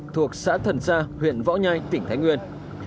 thuộc xã thần gia huyện võ nhai tỉnh thái nguyên